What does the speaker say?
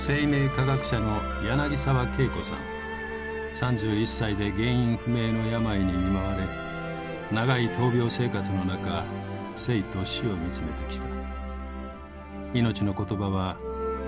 ３１歳で原因不明の病に見舞われ長い闘病生活のなか生と死を見つめてきた。